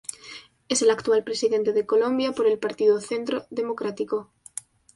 Es el actual presidente de Colombia por el Partido Centro Democrático.